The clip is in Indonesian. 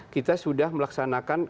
kita sudah melaksanakan